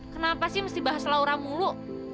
kenapa sih mesti bahas laura mulu